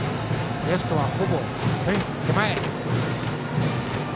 レフトはほぼフェンス手前。